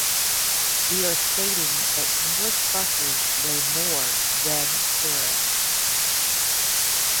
We are stating that English buses weigh more than Karen.